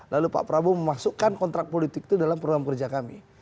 lalu pak prabowo memasukkan kontrak politik itu dalam program kerja kami